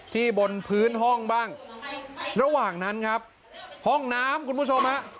บนพื้นห้องบ้างระหว่างนั้นครับห้องน้ำคุณผู้ชมฮะ